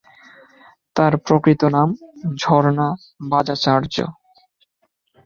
তার প্রকৃত নাম ঝরনা বাজাচার্য।